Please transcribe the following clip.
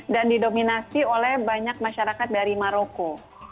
didominasi oleh banyak masyarakat dari maroko